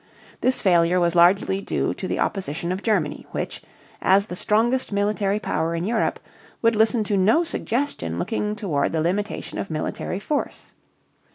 This failure was largely due to the opposition of Germany, which, as the strongest military power in Europe, would listen to no suggestion looking toward the limitation of military force.